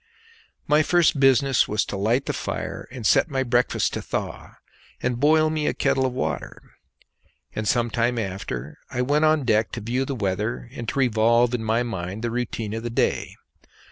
My first business was to light the fire and set my breakfast to thaw, and boil me a kettle of water; and some time after I went on deck to view the weather and to revolve in my mind the routine of the day.